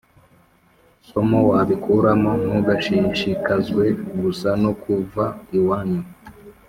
somo wabikuramo Ntugashishikazwe gusa no kuva iwanyu